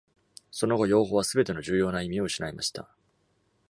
その後、用語はすべての重要な意味を失いました。